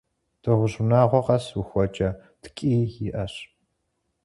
Дыгъужь унагъуэ къэс ухуэкӏэ ткӏий иӏэщ.